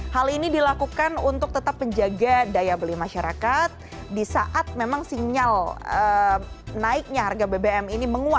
hal ini dilakukan untuk tetap menjaga daya beli masyarakat di saat memang sinyal naiknya harga bbm ini menguat